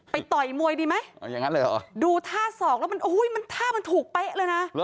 ไปต่อยมวยดีไหมดูท่าสองแล้วมันท่ามันถูกเป๊ะเลยนะ